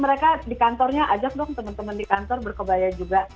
mereka di kantornya ajak dong teman teman di kantor berkebaya juga